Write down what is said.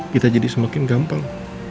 kita jadi semakin gampang